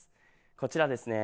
こちらですね。